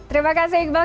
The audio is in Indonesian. terima kasih iqbal